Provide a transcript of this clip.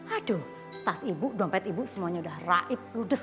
aduh tas ibu dompet ibu semuanya udah raib ludes